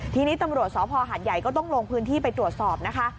ทีนี้ตำรวจสภหาดใหญ่ก็ต้องลงพื้นที่ไปตรวจสอบนะคะ